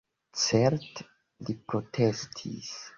Certe, li protestis.